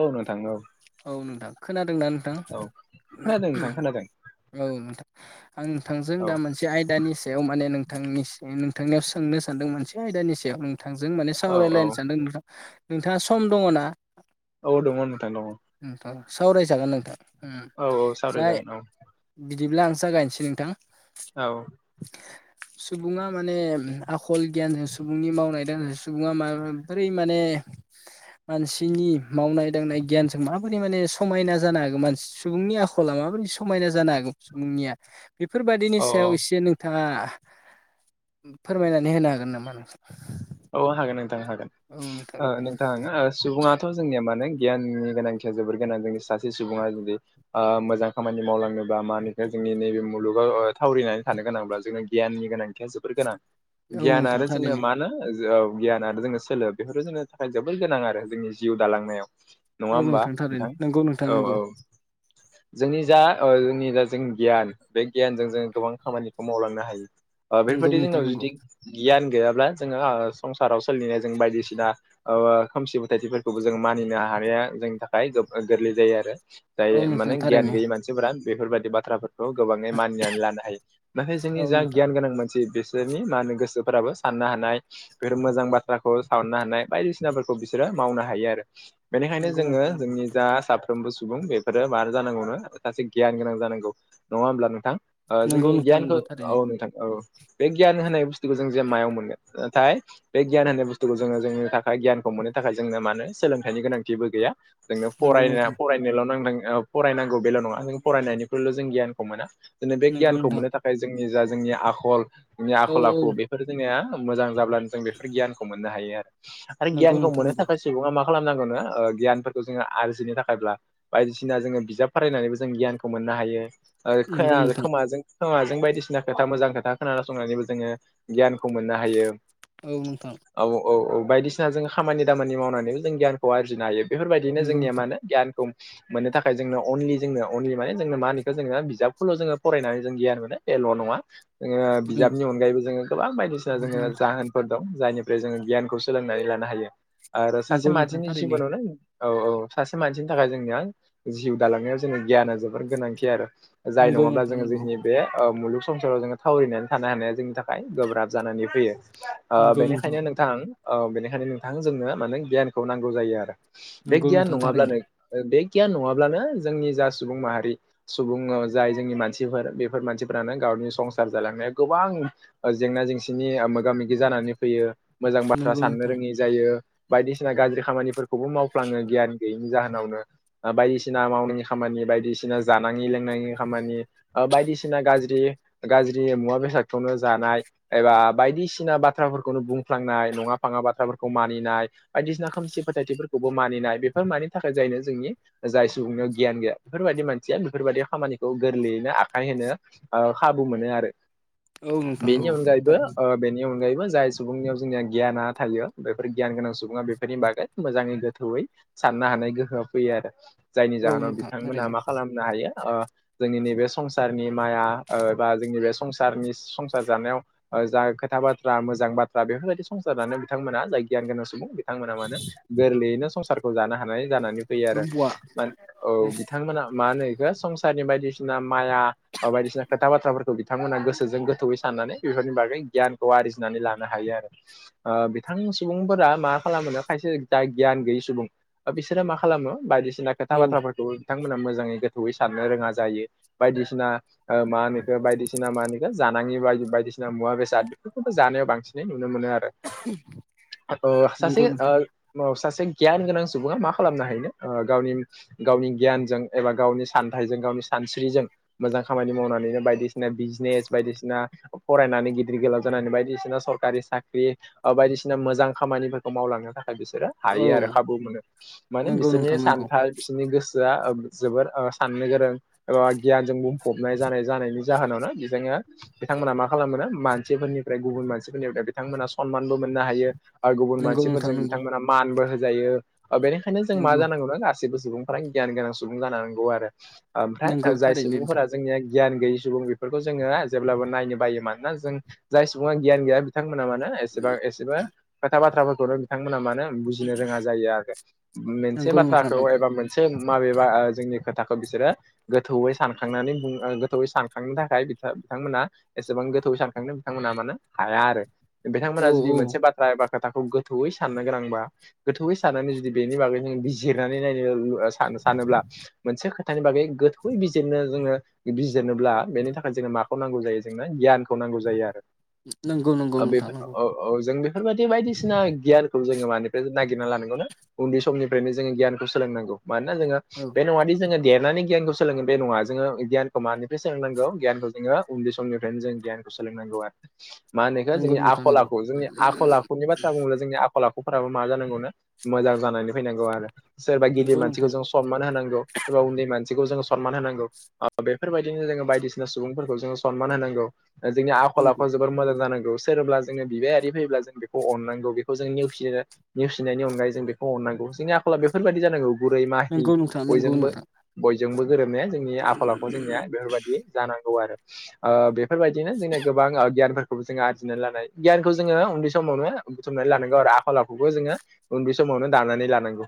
औ नोंथां औ औ नोंथां खोनादोंना नोंथां? औ खोनादों नोंथां [unintelligible] खोनादों औ नोंथां आं नोंथांजों औ दा मोनसे आयदानि सायाव माने नोंथांनि नोंथांनियाव सोंनो सानदों मोनसे आयदानि सायाव नों थांजों माने औ सावरायलायनो औ सानदों नोंथां नोंथाङा सम दङ ना? औ दङ नोंथां दङ। नोंथां सावरायजागोन नोंथां उम औ औ जाय सावरायजागोन औ बिदिब्ला आं जागायनोसै नोंथां। औ सुबुङा माने आखल गियानजों सुबुंनि मावनाय सुबुङा माबोरै माने मानसिनि मावनाय दांनाय गियान जों माबोरै माने समायना जानो हागो मान सुबुंनि आखला माबोरै समायना जानो हागो सुबुंनिया बेफोरबायदिनि औ सायाव एसे नों थाङा फोरमायनानै होनो हागोन नामा नोंथां? औ हागोन नोंथां हागोन औ ओ दे नोंथां ओ सुबुङा थ' जोंनिया मानो गियाननि गोनांथिया जोबोर गोनां जोंनि सासे सुबुङा जुदि ओ मोजां खामानि मावलांनो बा मानि जोंनि नैबे मुलुगाव थावरिनानै थानो गोनांब्ला जोंनो गियाननि गोनांथिया जोबोर गोनां औ गियान नोंथां आरो जोंनो थारैनो मानो औ गियान आरो जोंनो सोलो बेफोरो जोंनो थाखाय जोबोद गोनां आरो जोंनि जिउ दालांनायाव। नङा औ होमबा थारैनो नोंथां नंगौ नोंथां औ नंगौ औ जोंनि जा [unintelligible] जोंनि जा जों गियान बे गियानजों जों गोबां खामानिखौ मावलांनो हायो ओ नंगौ बेफोरबायदि नोंथां जोंनाव नंगौ जुदि गियान गैयाब्ला जोङो ओ संसाराव सोलिनाया जों बायदिसिना [unintelligible] खोमसि फोथायथिफोरखौबो जों मानिनो हानाया जोंनि थाखाय [unintelligible] गोरलै जायो आरो। औ जाय नोंथां माने गियान थारैनो गैयि मानसिफोरा बेफोरबायदि बाथ्राफोर खौ गोबाङै मानिनानै लानो हायो नाथाय औ जोंनि जा नोंथां गियान गोनां मानसि [unintelligible] मा होनो गोसोफोराबो साननो हानाय बेफोर मोजां बाथ्राखौ साननो हानाय बायदिसिनाफोरखौ बिसोरो मावनो हायो आरो बेनिखायनो नंगौ जोङो नोंथां नंगौ जोंनि जा सा फ्रोमबो सुबुं बेफोरो मा जानांगौनो सासे गियान गोनां जानांगौ नङा होमब्ला नोंथां? ओ नंगौ जोंनि नोंथां नंगौ गियानखौ थारैनो औ नोंथां औ बे गियान होनाय बुस्थुखौ जों जे मायाव मोनगोन नाथाय बे गियान होननाय बुस्थुखौ जोङो जोंनि थाखाय गियानखौ मोननो थाखाय जोंनो मानो सोलोंथाइनि गोनांथिबो गैया। जोंनो नंगौ फराय [unintelligible] नोंथां [unintelligible] फरायनांगौ बेल' नङा जों फरायनायनिख्रुयल' जों गियानखौ मोना जोंनो बे नंगौ गियानखौ नोंथां मोननो थाखाय जोंनि जा जोंनि आखल जोंनि औ आखल औ आखु बेफोर जोंनिया मोजां जाब्लानो जों बेफोर गियानखौ मोननो हायो आरो नंगौ गियानखौ नोंथां मोननो थाखाय सुबुङा मा खालामनांगौ नो ओ गियानफोरखौ जोङो आरजिनो थाखायब्ला बायदिसिना जोङो बिजाब फारायनानैबो जों गियानखौ मोननो हायो ओ नंगौ खोया नंगौ नोंथां खोमाजों खोमाजों बायदिसिना खोथा मोजां खोथा खोनासंनानैबो जोङो गियानखौ मोननो हायो। औ नोंथां औ औ औ बायदिसिना जों खामानि दामानि मावनानै जों गियानखौ आरजिनो हायो। बेफोरबायदिनो नंगौ जोंनिया नोंथां मानो गियानखौ मोननो थाखाय जोंनो अनलि जोंनो अनलि माने जोंनो माानिखौ जोङो बिजाबखौल' जोङो फरायनानै जों गियान मोनो बेल' न'ङा जोङो उम बिजाबनि अनगायैबो जोङो गोबां बायदिसिना नंगौ जोङो नोंथां जाहोन फोर दं जायनिफ्राय जोङो गियानखौ सोलोंनानै लानो हायो आरो नंगौ सासे नोंथां मानसिनि थारैनो जिबनावनो औ औ सासे मानसिनि थाखाय जोंनियां जिउ दालांनायाव जोंनि गियाना जोबोर गोनांथि आरो जाय नंगौ नङाब्ला नोंथां जोङो नंगौ जोंनि बे ओ मुलुग संसाराव जोङो थावरिनानै थानो हानाया जोंनि थाखाय गोब्राब जानानै फैयो ओ बेनिखायनो नोंथां ओ बेनिखायनो नोंथां जोंनो माने गियानखौ नांगौ जायो आरो बे नंगौ गियान नोंथां थारैनो नङाब्लानो बे गियान नङाब्लानो जोंनि जा सुबुं माहारि सुबुं ओ जाय जोंनि मानसिफोर बेफोर मानसिफोरानो गावनि संसार जालांनाया गोबां जेंना जेंसिनि मोगा मोगि जानानै फैयो मोजां बाथ्रा नंगौ साननो नोंथां रोङि जायो बायदिसिना गाज्रि खामानिफोरखौबो मावफ्लाङो गियान गैयैनि जाहोनावनो बायदिसिना मावनाङि खामानि बायदिसिना जानाङि लोंनायनि खामानि बायदिसिना गाज्रि गाज्रि मुवा बेसादखौनो जानाय एबा बायदिसि ना बाथ्राफोरखौनो बुंफ्लांनाय नङा फाङा बाथ्राफोरखौ मानिनाय बायदिसिना खोमसि फोथायथिफोरखौबो मानिनाय बेफोर मानि थाखाय जायनो जोंनि जाय सुबुंनियाव गियान गैया बेफोरबायदि मानसिया बेफोरबायाददि खामानिखौ गोरलैयैनो आखाइ होनो ओ खाबु मोनो आरो औ नोंथां बेनि औ अनगायैबो थारैनो ओ बेनि अनगायैबो जाय सुबुंनियाव जोंनिया गियाना थायो बेफोर गियान गोनां सुबुङा बेफोरनि बागै मोजाङै गोथौयै साननो हानाय गोहोआ फैयो आरो जायनि औ जाहोनाव नोंथां बिथांमोना थारैनो मा खालामनो हायो ओ जोंनि नैबे संसारनि माया ओ बा जोंनि बे संसारनि संसार जानायाव ओ जाय खोथा बाथ्रा मोजां बाथ्रा बेफोरबायदि संसारानो बिथांमोना जाय गियान गोनां सुबुं बिथांमोना मानो गोरलैयैनो संसारखौ जानो हानाय जानानै फैयो नों आरो बवा मा औ बिथांमोना मा होनो बेखौ संसारनि बायदिसिना माया बायदिसिना खोथा बाथ्राफोरखौ बिथांमोना गोसोजों गोथौयै साननानै बेफोरनि बागै गियान खौ आरजिनानै लानो हायो आरो ओ बिथां सुबुंफोरा मा खालामोनो खायसे जाय गियान गैयि सुबुं बिसोरो मा खालामो बायदिसिना खोथा औ बाथ्राफोरखौ बिथांमोना मोजाङै गोथौयै साननो रोङा जायो बायदिसिना ओ मा होनो इखो बायदिसिना मा होनो इखो जानाङि बायदि बायदिसिना मुवा बेसाद बेफोरखौ जानायाव बांसिनै नुनो मोनो आरो ओ नंगौ सासे नोंथां ओ औ सासे गियान गोनां सुबुङा मा खालामनो हायोनो ओ गावनि गावनि गियानजों एबा गावनि सानथाइजों गावनि सानस्रिजों मोजां खामानि मावनानैनो बायदिसिना बिजनेस बायदिसिना फरायनानै गिदिर गोलाव जानानै बायदिसिना स'रकारि साख्रि ओबायदिसिना मोजां खामानिफोरखौ मावलांनो थाखाय बिसोरो हायो औ आरो खाबु मोनो माने नंगौ नोंथां बिसोरनि नंगौ सान्थाय बिसिरनि गोसोआ ओ जोबोर ओ साननो गोरों एवा गियानजों बुंफबनाय जानाय जानायनि जाहोनावनो बेजोंनो बिथांमोना मा खालामोनो मान थिफोरनिफ्राय गुबुन मानसिफोरनि बिथांमोना स'नमानबो मोननो हायो आर गुबुन नंगौ नोंथां मानसिफोरजों नंगौ बिथांमोना मान मानबो होजायो ओ बेनिखायनो जों मा नंगौ जानांगौनो गासिबो सुबुं फ्राय गियान गोनां सुबुं जांगौ आरो ओमफ्राय नंगौ जाय थारैनो नोंथां सुबुंफोरा जोंनिया गियान गैयि सुबुं बेफोरखौ जोङो जेब्लाबो नायनो बायो मानोना जों जाय सुबुङा गियान गैया बिथांमोना मानोे एसेबां एसेबो खोथा बाथ्राफोरखौनो बिथांमोना मानो बुजिनो रोङा जायो आरो मेनसे नंगौ नोंथां बाथ्राखौ नंगौ एबा मोन सों माबेबा ओ जोंनि खोथाखौ बिसोरो गोथौयै सानखांनानै बङ ओ गोथौयै सानखांनो थाखाय बिथां बिथांमोना एसेबां गोथौयै सानखां बिथांनों बिथांमोना मानो हाया आरो बिथांमोना औ जुदि औ मोनसे बाथ्रा एबा खोथाखौ गोथौयै साननो गोनांबा गोथौयै साननानै जुदि बेनि बागै जों बिजिरनानै नायनो ओ सानो सानोब्ला मोनसे खोथानि बागै गोथौै बिजिरनो जोङो बि बिजिरनोब्ला बेनि थाखाय जोंनो माखौ नांगौ जायो जोंनो गियानखौ नांगौ बे आरो नंगौ नंगौ ओ नोंथां बेफोर नंगौ ओ औ जों बेफोरबायाददि बायदिसिना गियानखौ जोङो मानिफ्राय नागिरना लानांगौ नो उन्दै समनिफ्रायनो जोङो गियानखौ सोलोंनांगौ मानोना जोङो औ बे नङादि जोङो देरनानै गियानखौ सोलोङो बे नङा जोङो गियानखौ मानिफ्राय सोलोंनांगौ गियानखौ जोङो उन्दै समनिफ्रायनो जों गियान सोलोंनांगौ आरो मा होनो इखो नंगौ जोंनि नोंथां आखल नंगौ आखु जोंनि आखल आखुनि बा बाथा बुङोब्ला जोंनि आखल आखुफोराबो मा जानांगौ ना मोजां जानानै फैनांगौ आरो सोरबा गिदिर नंगौ मानसिखौ नोंथां जं सनमान होनांगौ एबा उन्दै मानसिखौ जोंङो सनमान होनांगौ ओ‌ बेफोर बेफोरबायदिनो जोङो बायदिसिना सुबुंफोरखौ जोङो सनमान होनांगौ। दा जोंनि आखल नंगौ आखु जोबोर मोजां जानांगौ सोरबा जोङो बिबायारि फैब्ला जों बेखौ अनांगौ बेखौ जों नेवसिनो नेवसिनायनि अनगायै जों बेखौ अननांगौ जोंनि आखला बेफोरबायदि जानांगौ गुरै माहि नंगौ नोंथां नंगौ बयजोंबो नोंथां बयजोंबो गोरोबनाया जोंनि आखल आखु जोंनिया बेफोर बायदि जानांगौ आरो ओ‌ बे बिदिनो जोंनिया गोबां ओ गियानफोर खौबो जोङो आरजिनानै लानाय गियानखौ जोङो उन्दै समावनो बुथुमनानै लानांगौ आरो आखल आखुबो जोङो उन्दै समावनो दानानै लानांगौ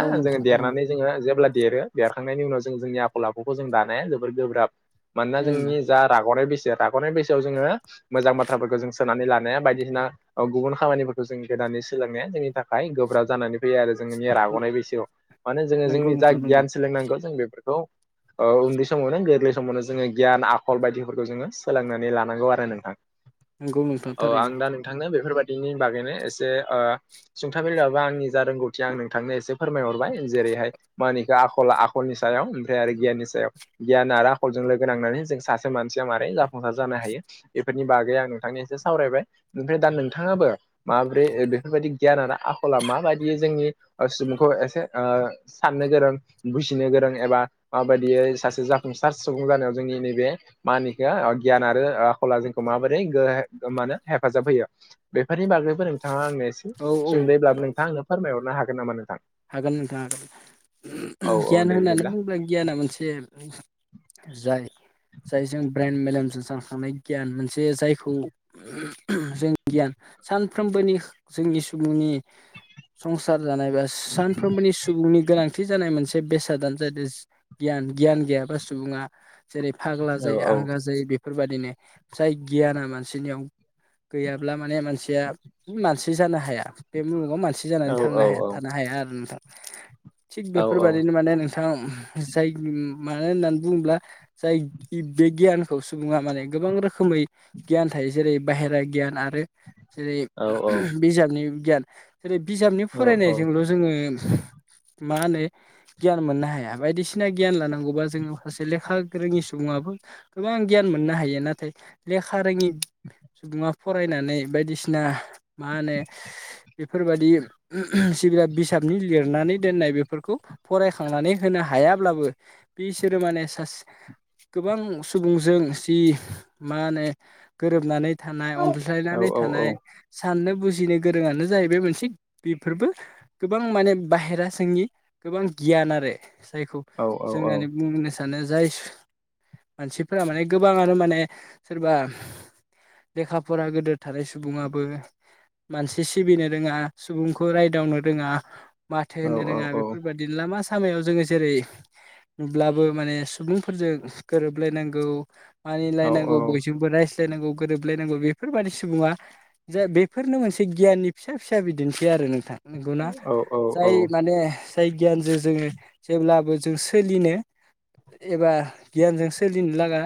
औ जोङो नोंथां औ देरनानै जोङो जेब्ला देरो देरखांनायनि उनाव जों जोंनि आखल आखुखौ जों दानाया जोबोद गोब्राब मानोना उम जोंनि जा राग'नाय बैसो राग'नाय बैसोआव जोङो मोजां बाथ्राफोरखौ जों सोनानै लानाया बायदिसिना अ गुबुन खामानिफोरखौ जों गोदानै सोलोंनाया जोंनि थाखाय गोब्राब जानानै फैयो आरो जोंनिया राग'नाय बैसोआव मानो जोंङो नंगौ जोंनि जा नोंथां नंगौ गियान सो सोलोंनांगौ जों बेफोरखौ ओ उन्दै समावनो गोरलै समावनो जोङो गियान आखल बायदिफोरखौ जोङो सोलोंनानै लानांगौ आरो नोंथां नंगौ नोंथां औ आं थारैनो दा नों नोंथांनो बेफोरबायदिनि बागैनो एसे ओ सुंथाबाबो आंनि जा रोंगौथि आं नोंथांनो एसे फोरमायहरबाय जेरैहाय मा निखा आखला आखलनि सायाव ओमफ्राय आरो गियाननि सायाव गियान आरो आखलजों लोगो नांनानै जों सासे मानसिया मारै जाफुंसार जानो हायो बेफोरनि बागै आं नोंथांनि एसे सावरायबाय ओमफ्राय दा नोंथाङाबो माब्रै ओ बेफोरबायदि गियान आखला माबायदि जोंनि ओ सुबुंखौ एसे ओ साननो गोरों बुजिनो गोरों एबा माबायदियै सासे जाफुंसार सुबुं जानायाव जोंनि नैबे मा होनोखो ओ गियान आरो ओ आखला जोंखौ माबोरै गो ओ मानो हेफाजाब होयो? बेफोरनि बागैबो नोंथाङा आंनो एसे औ औ सुंदयै ब्लाबो नोंथां आंनो फोरमायहरनो हागोन नामा नोंथां? हागोन नोंथाङा आरो गियान होननानै बुङोब्ला गियाना मोनसे जाय जायजों ब्रेन्ड मेलेमजेम सानखांनाय गियान मोनसे जायखौ जोंनि गियान सानफ्रोमबोनि जोंनि सुबुंनि संसार जानाय बा सानफ्रोमबोनि सुबुंनि गोनां थि जानाय मोनसे बेसादानो जाहैदो गियान गियान गैयाबा सुबुङा जेरै फाग्ला जायो आंगा जायो बेफोर बायदिनो जाय गियाना मानसिनियाव गैयाब्ला माने मानसिया मानसि जानो हाया बे मुलुगाव मानसि जानानै थां नों हाया थानो हाया आरो नोंथां थिग बेफोर बायदिनो माने नों थां जायग मानो होननानै बुङोब्ला जाय इ बे गियानखौ सुबुङा माने गोबां रोखोमै गियान थायो जेरै बाहेरा गियान आरो जेरै बिजाबनि गियान जेरै बिजाबनि फरायनायजोंल' जोङो मा होनो गियान मोननो हाया बायदिसिना गियान लानांगौबा जोङो माखासे लेखा गोरोङि सुबुङाबो गोबां गियान मोननो हायो नाथाय लेखा रोङि सुबुङा फरायनानै बायदिसिना मा होनो बेफोरबायदि सिबिला बिजाबनि लिरनानै दोननाय बेफोरखौ फरायखांनानै होनो हायाब्लाबो। बिसोरो माने सास गोबां सुबुंजों जि मा होनो गोरोबनानै थानाय अनस्लायनानै थानाय साननो बुजिनो गोरोंआानो जाहैबाय मोनसे बेफोरबो गोबां माने बाहेरा जोंनि गोबां गियान आरो जायखौ जोंनानै बुंनो सानो जाय मानसिफोरा माने गोबाङानो माने सोरबा लेखा फरा गदेर थानाय सुबुङाबो मानसि सिबिनो रोङा सुबुंखौ रायदावनो रोङा माथो होनो रोङा बेफोरबायादि। लामा सामायाव जोङो जेरै नुब्लाबो माने सुबुंफोरजों गोरोबलायनांगौ। मानिलायनांगौ बयजोंबो रायज्लायनांगौ गोरोबलायनांगौ बेफोरबाददि सुबुङा जा बेफोरनो मोनसे गियाननि फिसा फिसा बिदिन्थि आरो नोंथां। नंगौना जाय माने जाय गियानजों जोङो जेब्लाबो जों सोलिनो एबा गियानजों सोलिनो लागा।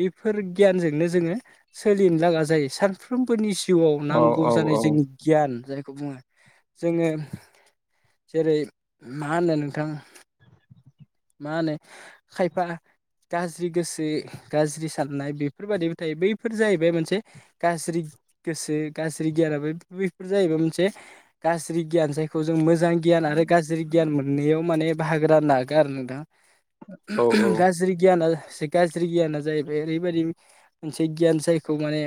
बेफोर गियानजोंनो जोङो सोलिनो लागा जायो सानफ्रोमबोनि जिउआव नांगौ जानाय जोंनि गियान जायखौ बुङो। जोङो जेरै मा होनो नोंथां। मा होनो खायफा गाज्रि गोसो गाज्रि साननाय बेफोरबायाददिबो थायो बैफोर जाहैबाय मोनसे गाज्रि गोसो गाज्रि गियानाबा बेफोर जाहैबाया मोनसे गाज्रि गियान जायखौ जों मोजां गियान आरो गाज्रि गियान मोननायाव माने बाहागो नाग ग दा गाज गियानो गाज्रि गियाना जाहैबाय ओरैबायदि मोनसे गियान जायखौ माने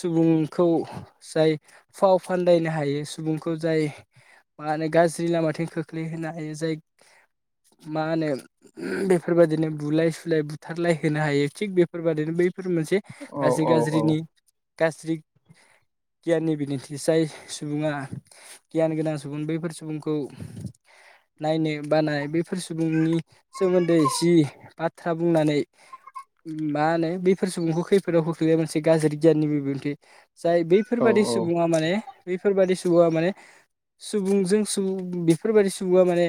सुबुंखौ जाय फाव फान्दायनो हायो सुबुंखौ जाय मा होनो गाज्रि लामाथिं खोख्लैहोनो हायो जाय माहोनो बेफोरबायाददिनो बुलाय सुलाय बुथारलाय होनो हायो थिक बेफोरबायाददिनो बैफोर मोनसे एसि गाज्रिनि गाज्रि गियाननि बिदिन्थिसाय सुबुङा गियान गोनां सुबुं बैफोर सुबुंखौ नायनो बानाय बे बेफोर सुबुंनि सोमोन्दै जि बाथ्रा बुंनानै मा होनो बैफोर सुबुंखौ खैफोदाव खोख्लैा मोनसे गाज्रि गियाननि बिबुंथि जाय बै बेफोरबादि सुबुङा माने बेफोरबादि सुबुङा माने सुबुंजों बेफोरबायाददि सुबुङा माने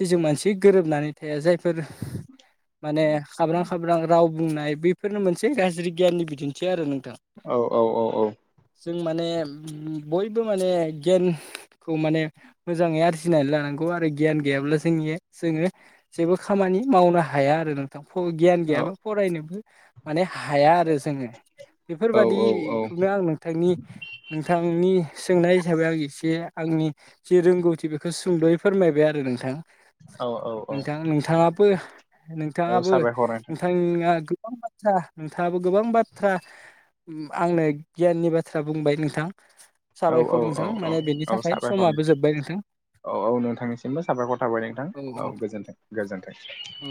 सि जों मानसि गोरोबनानै थाया जायफोर [inaudible] माने हाब्रां खाब्रां राव बुंनाय बेफोरनो मोनसे गाज्रि गियाननि बिदिन्थि आरो नोंथां। औ औ औ औ जों माने बयबो माने गियानखौ माने मोजाङै आरजिनानै लानांगौ आरो गियान गैयाब्लासो जोंनि जोङो जेबो खामानि मावनो हाया आरो नोंथां गियान गैयाबा फरायनोबो। माने हाया आरो जोङो बेफोरबादिखौनो आं नोंथांनि नोंथांनि सोंनाय हिसाबै आं एसे आंनि जिे रोंगौथि बेखौ बेखौ सुंद'यै फोरमायबाय आरो नोंथां। नोंथां नोंथाङाबो नोंथाङाबो नोंथांआ गोबां [inaudible] नोंथाङाबो गोबां बाथ्रा आंनो गियाननि बाथ्रा बुंबाय नोंथां साबायखर नोंथां माने बेनि थाखाय समाबो जोब्बाय नोंथां औ औ नोंथांनिसिमबो साबायखर थाबाय नोंथां औ गोजोनथों गोजोन्थों औ